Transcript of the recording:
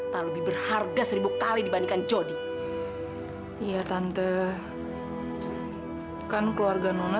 sampai jumpa di video selanjutnya